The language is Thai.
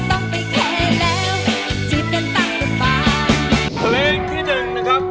ของพี่แก่เล่นแค่นี้จังอ้าวนะครับ